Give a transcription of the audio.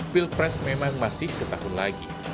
pilpres memang masih setahun lagi